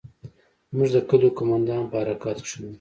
زموږ د کلي قومندان په حرکت کښې و.